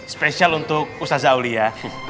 spesial untuk ustaz auli ya